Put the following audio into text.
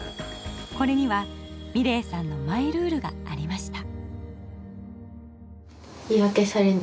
これには美礼さんのマイルールがありました。